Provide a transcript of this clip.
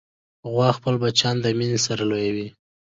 غوا خپل بچیان د مینې سره لویوي.